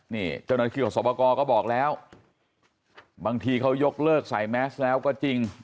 นี่เจ้าหน้าที่ของสอบประกอบก็บอกแล้วบางทีเขายกเลิกใส่แมสแล้วก็จริง